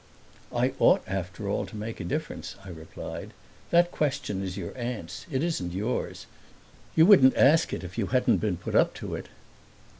"I ought after all to make a difference," I replied. "That question is your aunt's; it isn't yours. You wouldn't ask it if you hadn't been put up to it."